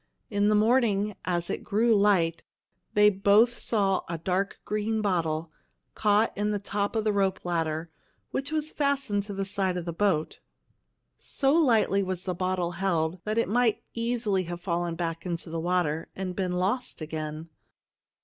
In the morning, as it grew light, they both saw a dark green bottle caught in the top of the rope ladder which was fastened to the side of the boat. So lightly was the bottle held that it might easily have fallen back into the water and been lost again.